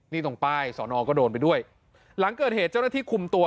นี่ตรงป้ายสอนอก็โดนไปด้วยหลังเกิดเหตุเจ้าหน้าที่คุมตัว